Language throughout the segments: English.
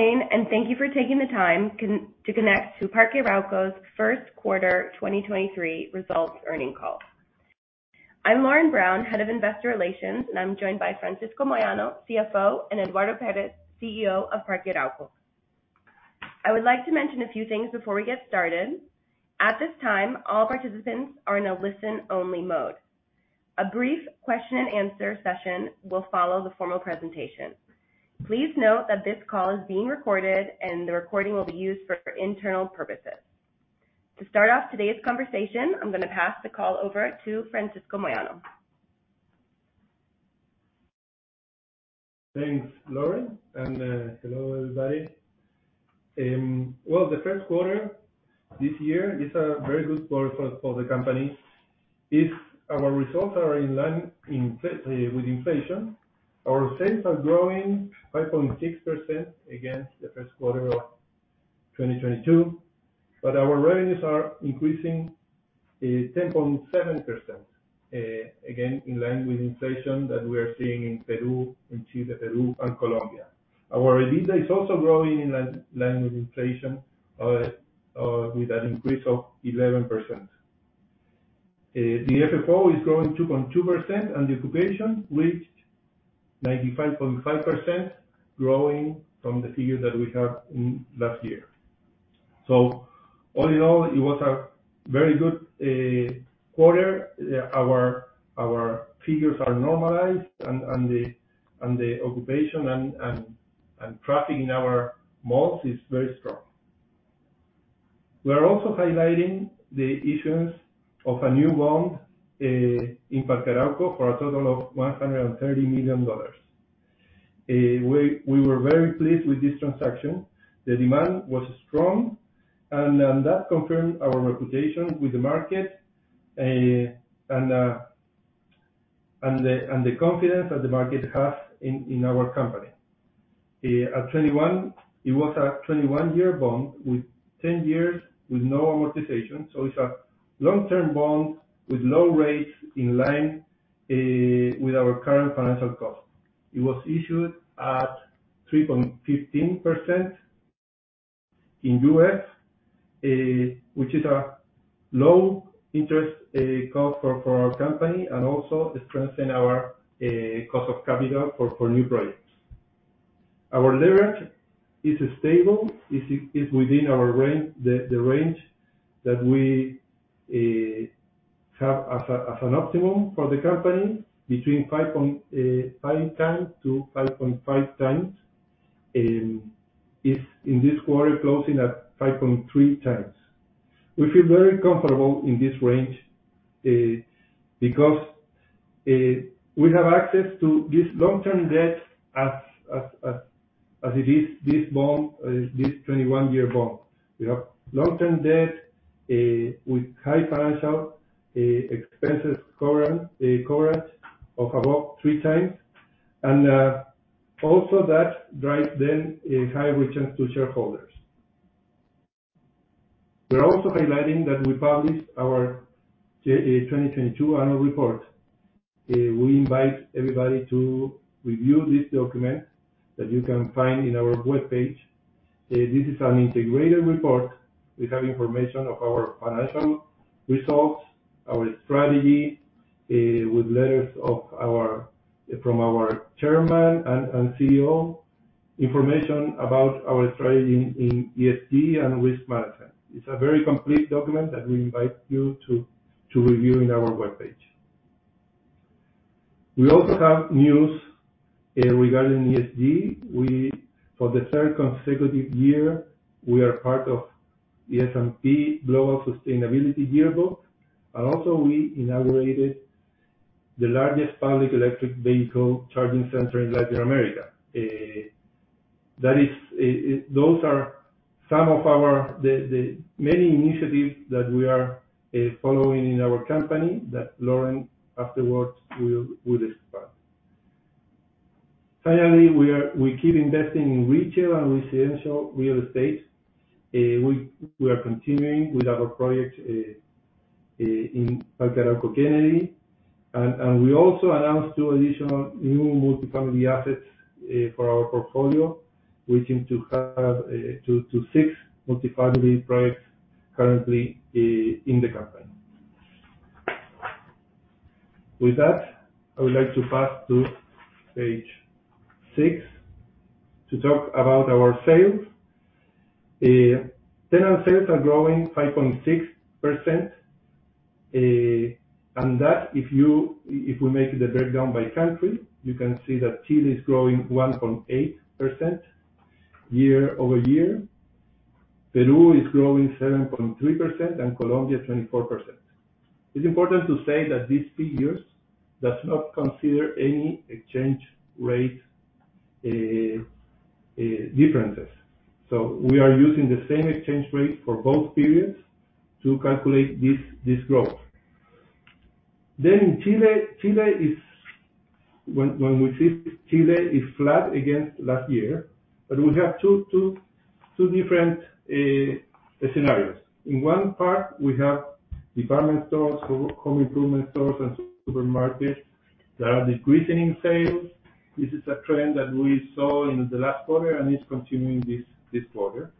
Good morning, and thank you for taking the time to connect to Parque Arauco's first quarter 2023 results earnings call. I'm Lauren Brown, Head of Investor Relations, and I'm joined by Francisco Moyano, CFO, and Eduardo Pérez, CEO of Parque Arauco. I would like to mention a few things before we get started. At this time, all participants are in a listen-only mode. A brief question and answer session will follow the formal presentation. Please note that this call is being recorded, and the recording will be used for internal purposes. To start off today's conversation, I'm gonna pass the call over to Francisco Moyano. Thanks, Lauren, and hello, everybody. Well, the first quarter this year is a very good quarter for the company. If our results are in line with inflation, our sales are growing 5.6% against the first quarter of 2022, but our revenues are increasing 10.7%, again, in line with inflation that we are seeing in Chile, Peru, and Colombia. Our EBITDA is also growing in line with inflation with an increase of 11%. The FFO is growing 2.2%, and the occupation reached 95.5% growing from the figures that we had last year. All in all, it was a very good quarter. Our figures are normalized and the occupation and traffic in our malls is very strong. We are also highlighting the issuance of a new bond in Parque Arauco for a total of $130 million. We were very pleased with this transaction. The demand was strong and that confirmed our reputation with the market and the confidence that the market has in our company. It was a 21-year bond with 10 years with no amortization, so it's a long-term bond with low rates in line with our current financial cost. It was issued at 3.15% in UF, which is a low interest cost for our company and also strengthen our cost of capital for new projects. Our leverage is stable. It's within our range, the range that we have as an optimum for the company, between 5x-5.5x. It's in this quarter closing at 5.3x. We feel very comfortable in this range, because we have access to this long-term debt as it is, this bond, this 21-year bond. We have long-term debt with high financial expenses coverage of about 3x, and also that drives a high return to shareholders. We're also highlighting that we published our 2022 annual report. We invite everybody to review this document that you can find in our webpage. This is an integrated report. We have information of our financial results, our strategy, from our chairman and CEO, information about our strategy in ESG and risk management. It's a very complete document that we invite you to review in our webpage. We also have news regarding ESG. For the third consecutive year, we are part of the S&P Global Sustainability Yearbook, and also we inaugurated the largest public electric vehicle charging center in Latin America. That is, those are some of our the many initiatives that we are following in our company that Lauren afterwards will discuss. Finally, we keep investing in retail and residential real estate. We are continuing with our project in Parque Arauco Kennedy. We also announced two additional new multi-family assets for our portfolio, reaching to have to six multi-family projects currently in the company. With that, I would like to pass to page six to talk about our sales. Tenant sales are growing 5.6%, and we make the breakdown by country, you can see that Chile is growing 1.8% year-over-year. Peru is growing 7.3%, and Colombia 24%. It's important to say that these figures does not consider any exchange rate differences. We are using the same exchange rate for both periods to calculate this growth. Chile is. When we see Chile is flat against last year, but we have two different scenarios. In one part, we have department stores, home improvement stores, and supermarkets that are decreasing sales. This is a trend that we saw in the last quarter, and it's continuing this quarter.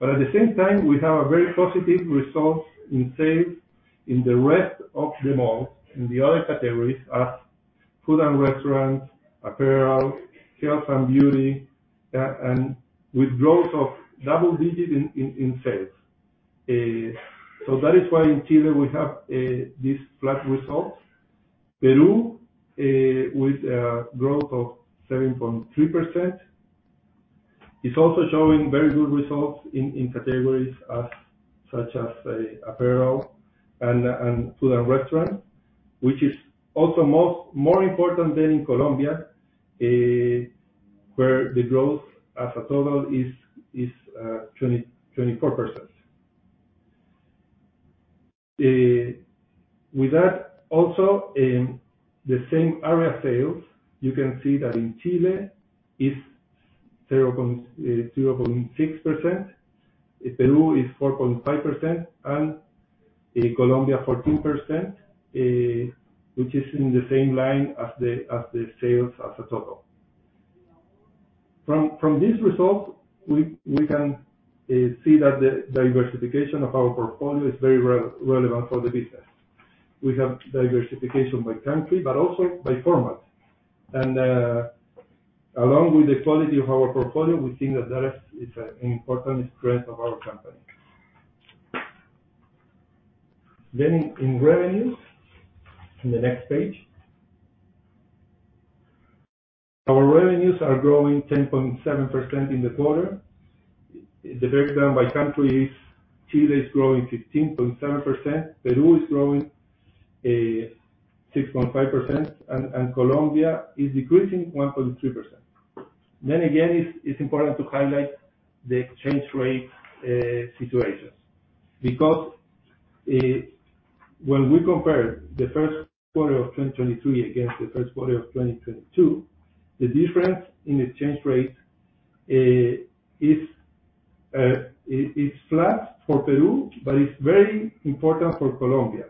But at the same time, we have a very positive results in sales in the rest of the malls, in the other categories as food and restaurants, apparel, health and beauty, and with growth of double digits in sales. So that is why in Chile we have this flat results. Peru, with a growth of 7.3%. It's also showing very good results in categories such as apparel and food and restaurant, which is also more important than in Colombia, where the growth as a total is 24%. With that also, the same area sales, you can see that in Chile it's 0.6%. In Peru, it's 4.5%, and in Colombia, 14%, which is in the same line as the sales as a total. From this result, we can see that the diversification of our portfolio is very relevant for the business. We have diversification by country, but also by format. Along with the quality of our portfolio, we think that that is an important strength of our company. In revenues, in the next page. Our revenues are growing 10.7% in the quarter. The breakdown by country is Chile is growing 15.7%. Peru is growing 6.5%. Colombia is decreasing 1.3%. It's important to highlight the exchange rate situations. Because when we compare the first quarter of 2023 against the first quarter of 2022, the difference in exchange rate is flat for Peru, but it's very important for Colombia.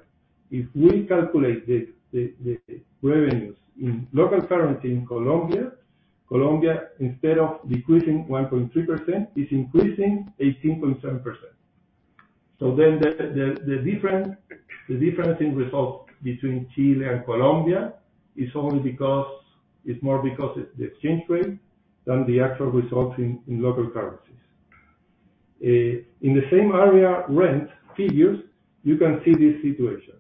If we calculate the revenues in local currency in Colombia, instead of decreasing 1.3%, is increasing 18.7%. The difference in results between Chile and Colombia is only because it's more because of the exchange rate than the actual results in local currencies. In the same area, rent figures, you can see this situation.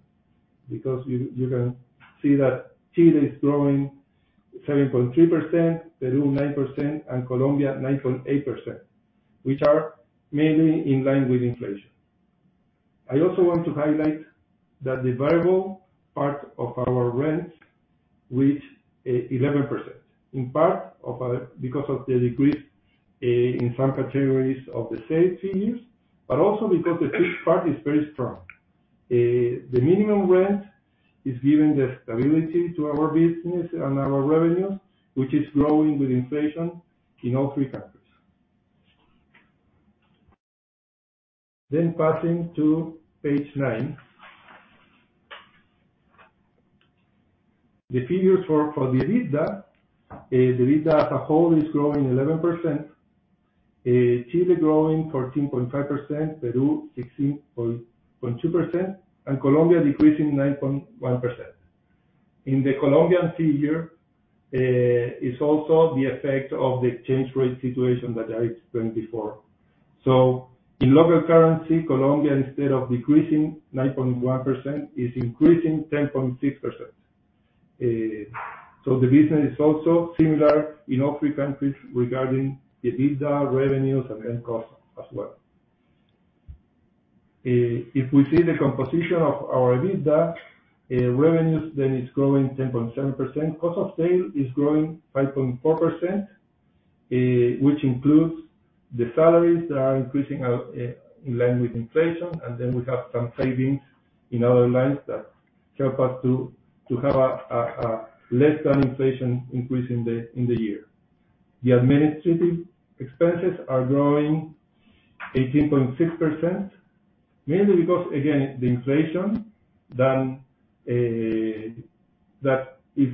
Because you can see that Chile is growing 7.3%, Peru 9%, and Colombia 9.8%, which are mainly in line with inflation. I also want to highlight that the variable part of our rents reached 11%, in part because of the decrease in some categories of the sales figures, but also because the fixed part is very strong. The minimum rent is giving the stability to our business and our revenues, which is growing with inflation in all three countries. Passing to page nine. The figures for the EBITDA, the EBITDA as a whole is growing 11%. Chile growing 14.5%, Peru 16.2%, and Colombia decreasing 9.1%. In the Colombian figure, it's also the effect of the exchange rate situation that I explained before. In local currency, Colombia, instead of decreasing 9.1%, is increasing 10.6%. The business is also similar in all three countries regarding EBITDA, revenues, and rent costs as well. If we see the composition of our EBITDA, revenues then is growing 10.7%. Cost of sale is growing 5.4%, which includes the salaries that are increasing in line with inflation. We have some savings in other lines that help us to have a less than inflation increase in the year. The administrative expenses are growing 18.6%, mainly because again, the inflation that if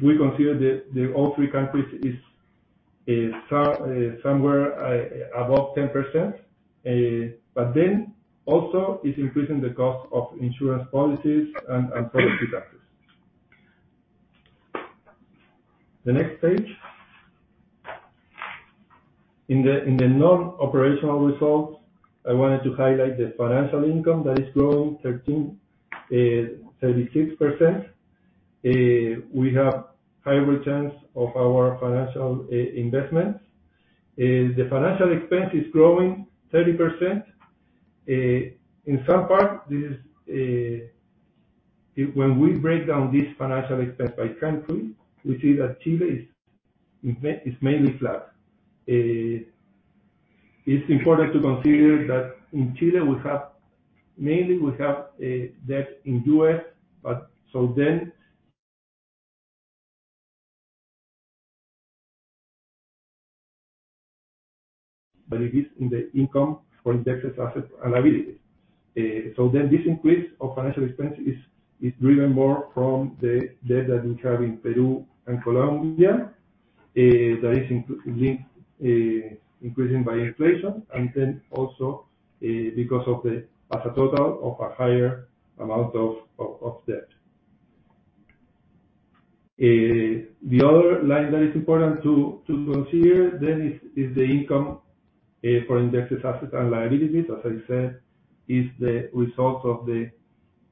we consider all three countries is somewhere above 10%. But then also it's increasing the cost of insurance policies and product protectors. The next page. In the non-operating results, I wanted to highlight the financial income that is growing 36%. We have high returns of our financial investments. The financial expense is growing 30%. In some part, this is. When we break down this financial expense by country, we see that Chile is mainly flat. It's important to consider that in Chile we mainly have debt in USD, but it is indexed for assets and liabilities. This increase of financial expense is driven more from the debt that we have in Peru and Colombia, that is linked, increasing by inflation and then also because of a higher amount of debt. The other line that is important to consider then is the income from indexation of assets and liabilities. As I said, it is the result of the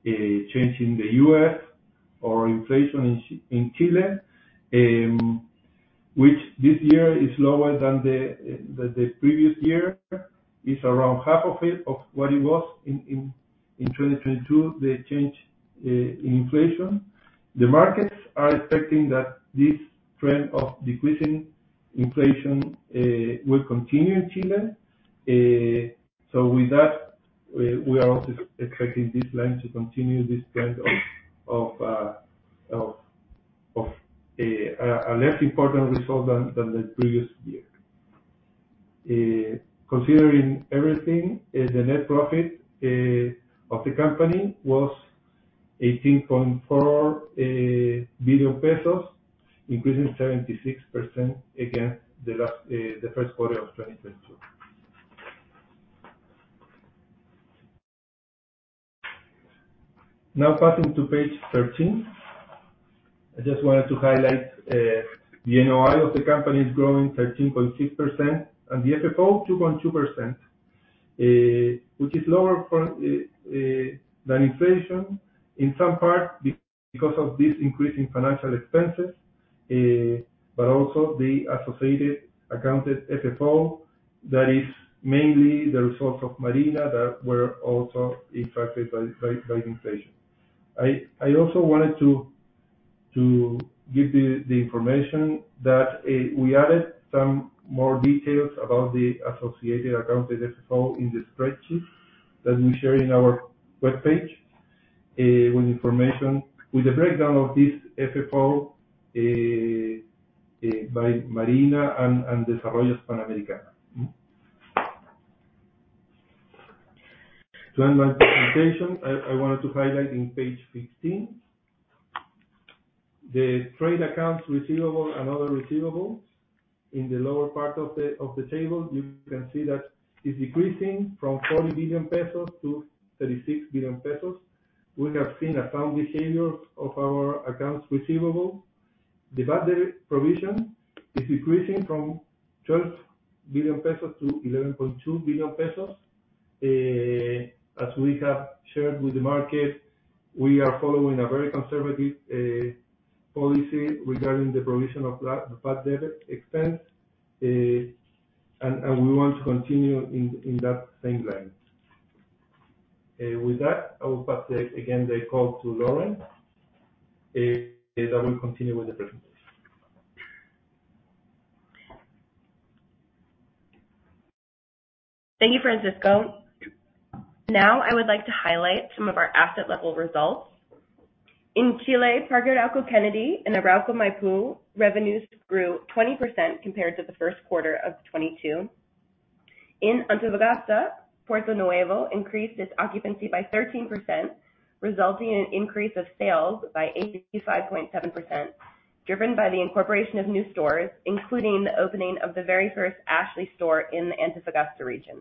change in the UF or inflation in Chile, which this year is lower than the previous year. It's around half of what it was in 2022, the change in inflation. The markets are expecting that this trend of decreasing inflation will continue in Chile. With that, we are also expecting this line to continue this trend of a less important result than the previous year. Considering everything, the net profit of the company was 18.4 billion pesos, increasing 76% against the first quarter of 2022. Now passing to page 13. I just wanted to highlight the NOI of the company is growing 13.6% and the FFO 2.2%, which is lower than inflation in some part because of this increase in financial expenses, but also the associated accounted FFO that is mainly the results of Marina that were also impacted by inflation. I also wanted to give the information that we added some more details about the associated accounted FFO in the spreadsheet that we share in our webpage with a breakdown of this FFO by Marina and Desarrollo Panamericano. To end my presentation, I wanted to highlight in page 15 the trade accounts receivable and other receivables. In the lower part of the table, you can see that it's decreasing from 40 billion pesos to 36 billion pesos. We have seen a sound behavior of our accounts receivable. The bad debt provision is decreasing from 12 billion pesos to 11.2 billion pesos. As we have shared with the market, we are following a very conservative policy regarding the provision of bad debt expense, and we want to continue in that same line. With that, I will pass the call again to Lauren as I will continue with the presentation. Thank you, Francisco. Now I would like to highlight some of our asset level results. In Chile, Parque Arauco Kennedy and Arauco Maipú revenues grew 20% compared to the first quarter of 2022. In Antofagasta, Puerto Nuevo increased its occupancy by 13%, resulting in an increase of sales by 85.7%, driven by the incorporation of new stores, including the opening of the very first Ashley store in the Antofagasta region.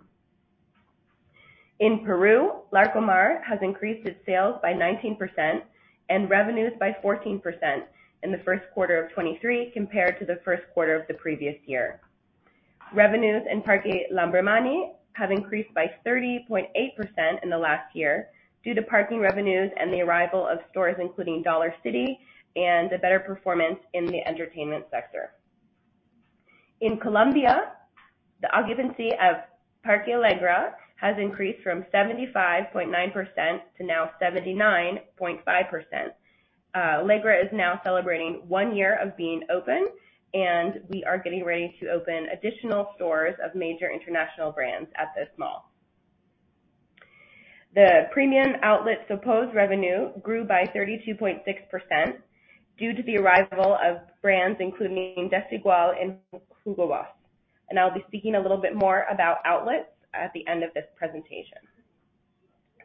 In Peru, Larcomar has increased its sales by 19% and revenues by 14% in the first quarter of 2023 compared to the first quarter of the previous year. Revenues in Parque Lambramani have increased by 30.8% in the last year due to parking revenues and the arrival of stores, including Dollar City and a better performance in the entertainment sector. In Colombia, the occupancy of Parque Alegra has increased from 75.9% to now 79.5%. Alegra is now celebrating one year of being open, and we are getting ready to open additional stores of major international brands at this mall. The premium outlet Sopó revenue grew by 32.6% due to the arrival of brands including Desigual and Hugo Boss. I'll be speaking a little bit more about outlets at the end of this presentation.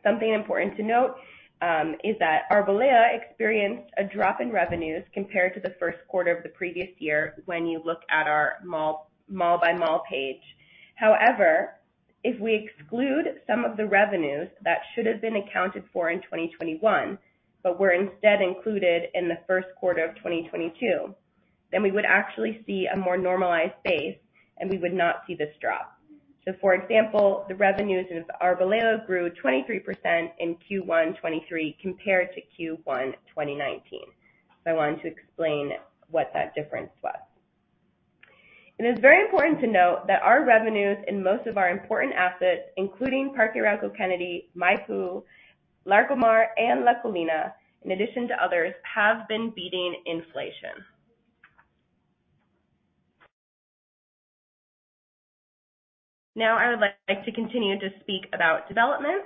Something important to note is that Arboleda experienced a drop in revenues compared to the first quarter of the previous year when you look at our mall-by-mall page. However, if we exclude some of the revenues that should have been accounted for in 2021, but were instead included in the first quarter of 2022, then we would actually see a more normalized base, and we would not see this drop. For example, the revenues of Arboleda grew 23% in Q1 2023 compared to Q1 2019. I wanted to explain what that difference was. It is very important to note that our revenues in most of our important assets, including Parque Arauco Kennedy, Maipú, Larcomar, and La Colina, in addition to others, have been beating inflation. Now I would like to continue to speak about development.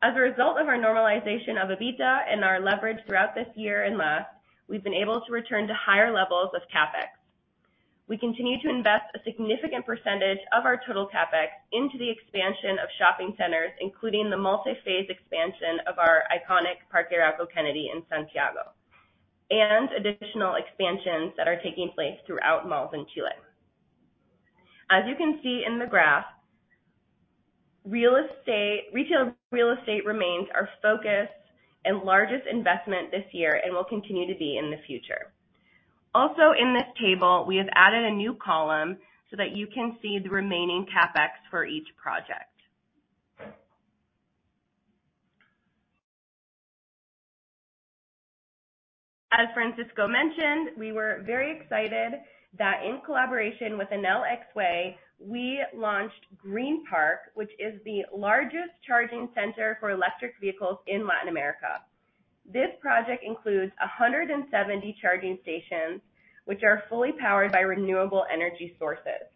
As a result of our normalization of EBITDA and our leverage throughout this year and last, we've been able to return to higher levels of CapEx. We continue to invest a significant percentage of our total CapEx into the expansion of shopping centers, including the multi-phase expansion of our iconic Parque Arauco Kennedy in Santiago, and additional expansions that are taking place throughout malls in Chile. As you can see in the graph, retail real estate remains our focus and largest investment this year and will continue to be in the future. Also, in this table, we have added a new column so that you can see the remaining CapEx for each project. As Francisco mentioned, we were very excited that in collaboration with Enel X Way, we launched Green Park, which is the largest charging center for electric vehicles in Latin America. This project includes 170 charging stations, which are fully powered by renewable energy sources.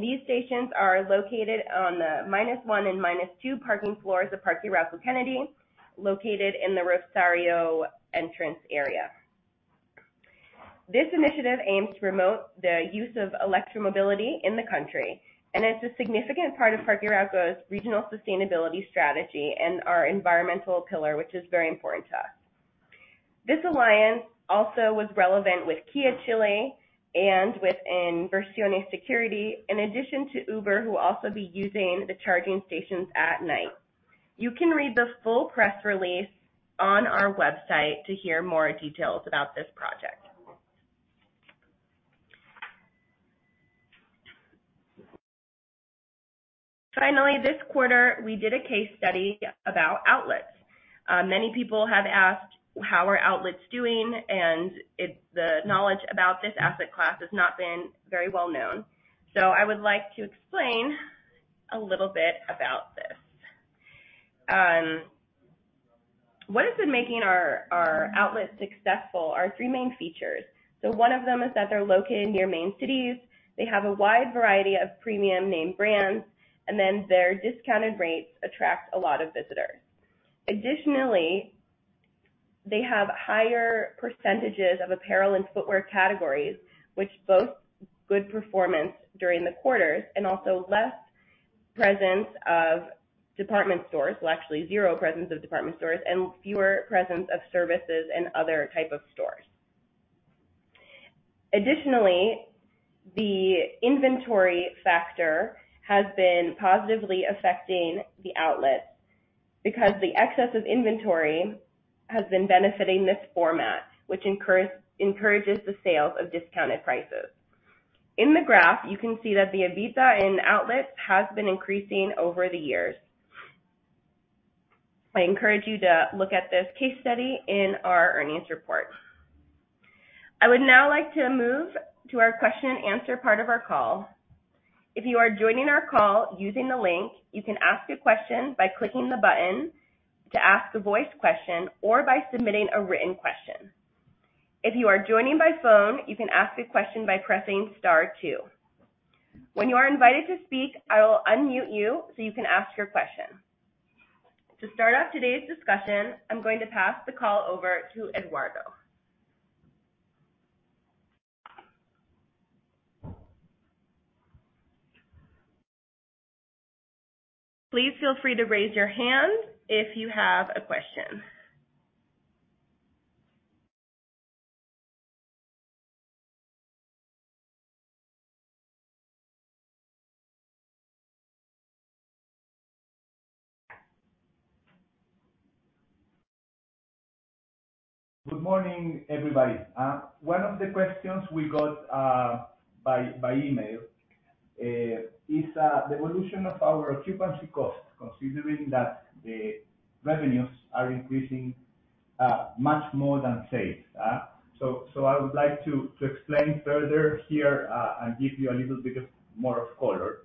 These stations are located on the -1 and -2 parking floors of Parque Arauco Kennedy, located in the Rosario entrance area. This initiative aims to promote the use of electromobility in the country, and it's a significant part of Parque Arauco's regional sustainability strategy and our environmental pillar, which is very important to us. This alliance also was relevant with Kia Chile and with Inversiones Security, in addition to Uber, who will also be using the charging stations at night. You can read the full press release on our website to hear more details about this project. Finally, this quarter, we did a case study about outlets. Many people have asked, how are outlets doing? The knowledge about this asset class has not been very well-known. I would like to explain a little bit about this. What has been making our outlets successful are three main features. One of them is that they're located near main cities. They have a wide variety of premium name brands, and then their discounted rates attract a lot of visitors. Additionally, they have higher percentages of apparel and footwear categories, which boast good performance during the quarters and also less presence of department stores. Well, actually zero presence of department stores and fewer presence of services and other type of stores. Additionally, the inventory factor has been positively affecting the outlets because the excess of inventory has been benefiting this format, which encourages the sales of discounted prices. In the graph, you can see that the EBITDA in outlets has been increasing over the years. I encourage you to look at this case study in our earnings report. I would now like to move to our question and answer part of our call. If you are joining our call using the link, you can ask a question by clicking the button to ask a voice question or by submitting a written question. If you are joining by phone, you can ask a question by pressing star two. When you are invited to speak, I will unmute you so you can ask your question. To start off today's discussion, I'm going to pass the call over to Eduardo. Please feel free to raise your hand if you have a question. Good morning, everybody. One of the questions we got by email is the evolution of our occupancy costs, considering that the revenues are increasing much more than sales. So I would like to explain further here and give you a little bit more color.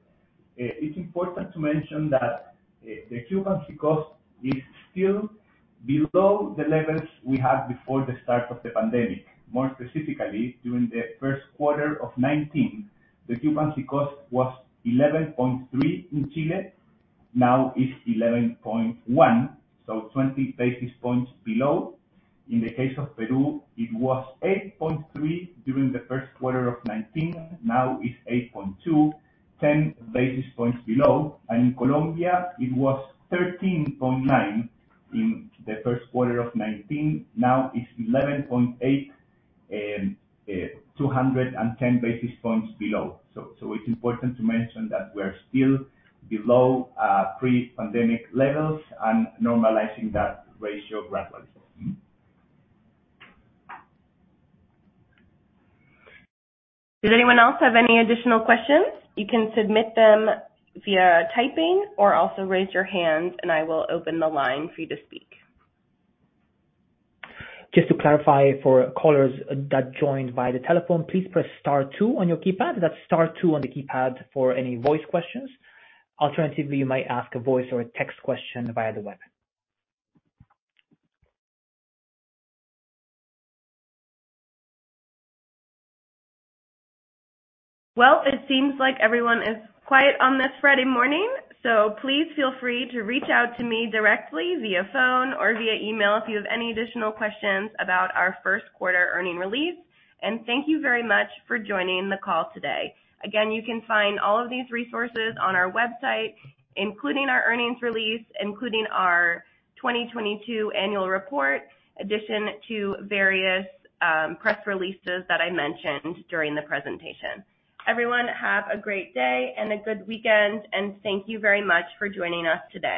It's important to mention that the occupancy cost is still below the levels we had before the start of the pandemic. More specifically, during the first quarter of 2019, the occupancy cost was 11.3% in Chile. Now it's 11.1%, so 20 basis points below. In the case of Peru, it was 8.3% during the first quarter of 2019. Now it's 8.2%, 10 basis points below. In Colombia, it was 13.9% in the first quarter of 2019. Now it's 11.8%, 210 basis points below. It's important to mention that we're still below pre-pandemic levels and normalizing that ratio gradually. Does anyone else have any additional questions? You can submit them via typing or also raise your hand, and I will open the line for you to speak. Just to clarify for callers that joined via the telephone, please press star two on your keypad. That's star two on the keypad for any voice questions. Alternatively, you might ask a voice or a text question via the web. Well, it seems like everyone is quiet on this Friday morning. Please feel free to reach out to me directly via phone or via email if you have any additional questions about our first quarter earnings release. Thank you very much for joining the call today. Again, you can find all of these resources on our website, including our earnings release, including our 2022 annual report, in addition to various press releases that I mentioned during the presentation. Everyone, have a great day and a good weekend, and thank you very much for joining us today.